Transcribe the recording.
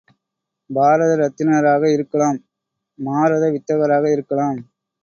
பாரத ரத்தினராக இருக்கலாம் மாரத வித்தகராக இருக்கலாம்.